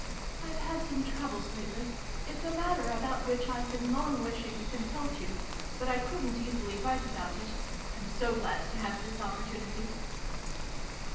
" I've had some troubles lately. It's a matter about which I've been long wishing to consult you, but I couldn't easily write about it. I'm so glad to have this opportunity